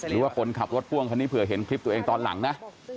หรือว่าคนขับรถพ่วงคันนี้เผื่อเห็นคลิปตัวเองตอนหลังนะ